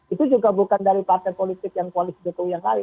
itu juga bukan dari partai politik yang koalisi jokowi yang lain